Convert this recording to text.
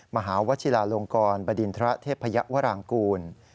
มหาวชิลาลงกรบดินทระเทพยวรางกูล